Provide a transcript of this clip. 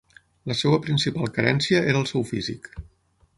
La seva principal carència era el seu físic.